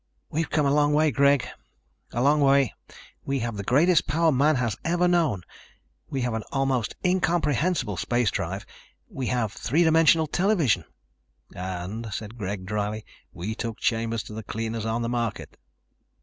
"We've come a long way, Greg. A long, long way. We have the greatest power man has ever known; we have an almost incomprehensible space drive; we have three dimensional television." "And," said Greg dryly, "we took Chambers to the cleaners on the market."